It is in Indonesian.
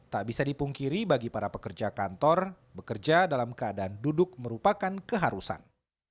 tak bisa dipungkiri bagi para pekerja kantor bekerja dalam keadaan duduk merupakan keharusan